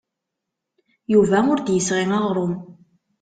Yuba ur d-yesɣi aɣrum.